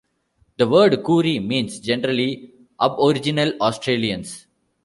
The word "Koori" means, generally, aboriginal Australians.